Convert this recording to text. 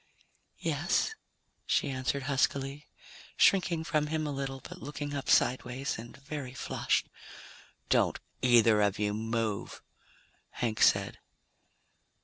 "Yes?" she answered huskily, shrinking from him a little, but looking up sideways, and very flushed. "Don't either of you move," Hank said.